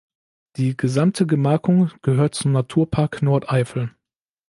Die gesamte Gemarkung gehört zum Naturpark Nordeifel.